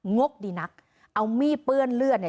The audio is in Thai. งกดีนักเอามีดเปื้อนเลือด